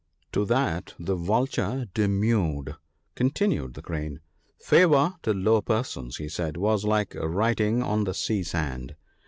' To that the Vulture demurred/ continued the Crane :—'" favour to low persons," he said, " was like writing on the sea sand.